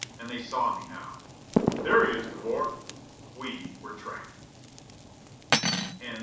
And they saw me, now. "There he is, De Boer!" We were trapped!